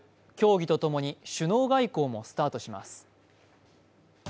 競技と共に首脳外交もスタートします。